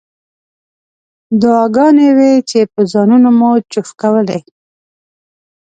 دعاګانې وې چې په ځانونو مو چوف کولې.